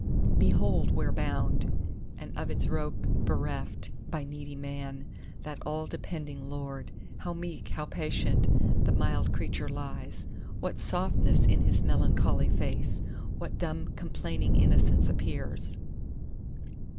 "Behold, where bound, and of its robe bereft By needy man, that all depending lord, How meek, how patient, the mild creature lies! What softness in his melancholy face, What dumb complaining innocence appears!"